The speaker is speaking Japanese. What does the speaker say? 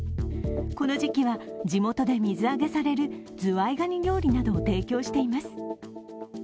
この時期は、地元で水揚げされるズワイガニ料理などを提供しています。